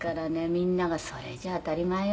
みんなが“それじゃ当たり前よ”なんて」